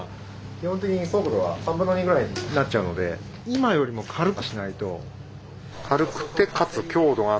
今よりも軽くしないと。